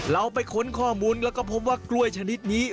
เราไปค้นข้อมูลแล้วก็พบว่ากล้วยชนิดนี้